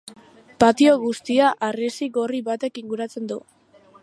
Patio guztia harresi gorri batek inguratzen du.